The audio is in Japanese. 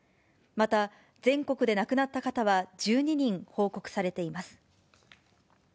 また、全国で亡くなった方は１２人報告されています。